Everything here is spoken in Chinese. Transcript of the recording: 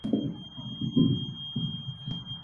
属名是以中国神话中的金凤凰来命名。